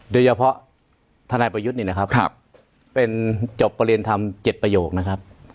โดยเฉพาะทนายปยุตินี้นะครับครับเป็นจบประเรียนทำเจ็ดประโยคนะครับ